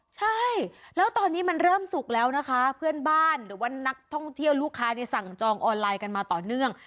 ใช่แล้วตอนนี้มันเริ่มสุกแล้วนะคะเพื่อนบ้านหรือว่านักท่องเที่ยวลูกค้าเนี่ยสั่งจองออนไลน์กันมาต่อเนื่อง